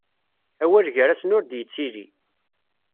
Awal gar-asen ur d-yettili.